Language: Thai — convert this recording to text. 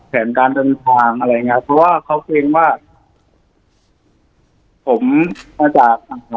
แผนการเดินทางอะไรอย่างเงี้ยเพราะว่าเขาเกรงว่าผมมาจาก